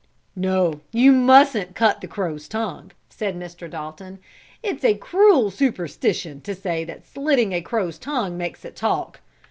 "No, you mustn't cut the crow's tongue," said Mr. Dalton. "It is a cruel superstition to say that slitting a crow's tongue makes it talk.